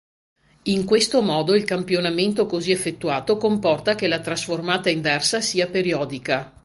In questo modo il campionamento così effettuato comporta che la trasformata inversa sia periodica.